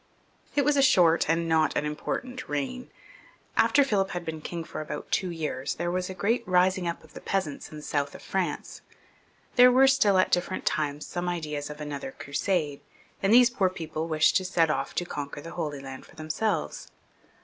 It was a short and not an important reign. After Philip had been king for about two years, there was a great rising up of the peasants in the south of France. There were still at different times some ideas of another Crusade, and these poor people wished to set off to conquer the Holy Land for themselves.